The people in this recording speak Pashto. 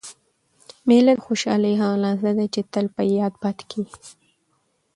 مېله د خوشحالۍ هغه لحظه ده، چي تل په یاد پاته کېږي.